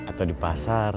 atau di pasar